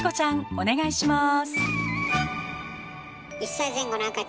お願いします。